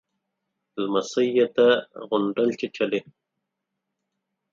_لمسۍ يې ده، غونډل چيچلې.